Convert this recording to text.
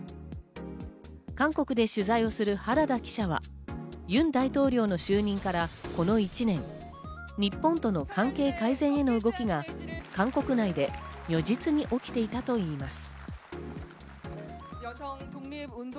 韓国で取材をする原田記者はユン大統領の就任から、この１年、日本との関係改善への動きが韓国内で如実に起きていたといいます。